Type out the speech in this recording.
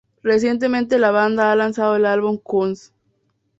Recientemente la banda ha lanzado el álbum Kunst.